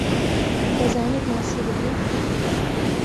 دەزانیت ماسی بگریت؟